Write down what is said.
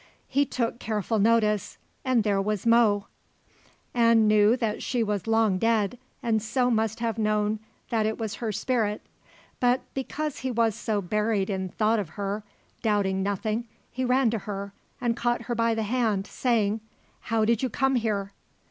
He took careful notice and there was Mo. An knew that she was long dead, and so must have known that it was her spirit, but because he was so buried in thought of her, doubting nothing, he ran to her and caught her by the hand, saying, "How did you come here?"